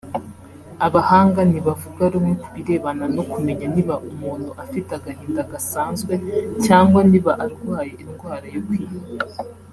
Abahanga ntibavuga rumwe ku birebana no kumenya niba umuntu afite agahinda gasanzwe cyangwa niba arwaye indwara yo kwiheba